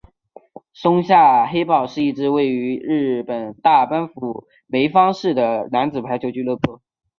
松下黑豹是一支位于日本大阪府枚方市的男子排球俱乐部。